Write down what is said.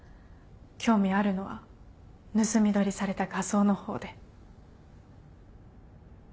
興味あるのは盗み撮りされた画像の方で。